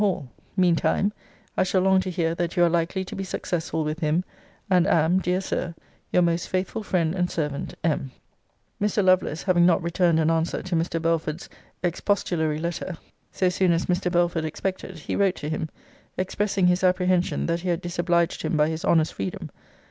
Hall! Mean time, I shall long to hear that you are likely to be successful with him; and am, Dear Sir, Your most faithful friend and servant, M. [Mr. Lovelace having not returned an answer to Mr. Belford's expostulary letter so soon as Mr. Belford expected, he wrote to him, expressing his apprehension that he had disobliged him by his honest freedom.